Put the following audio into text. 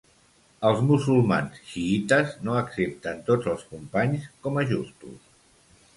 Els musulmans xiïtes no accepten tots els companys com a justos.